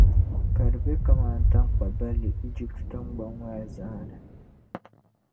ka di be kaman taŋkpa’ balli Ijipti tiŋgbɔŋ maa zaa ni.